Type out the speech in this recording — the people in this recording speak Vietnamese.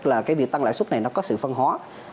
là cái việc tăng lãi suất này nó có sự phân hóa